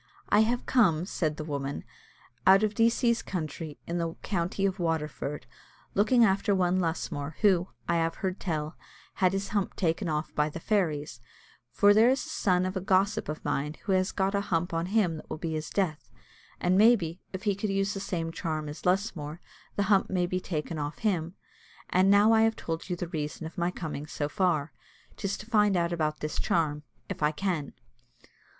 "I have come," said the woman, "out of Decie's country, in the county of Waterford, looking after one Lusmore, who, I have heard tell, had his hump taken off by the fairies; for there is a son of a gossip of mine who has got a hump on him that will be his death; and maybe, if he could use the same charm as Lusmore, the hump may be taken off him. And now I have told you the reason of my coming so far: 'tis to find out about this charm, if I can."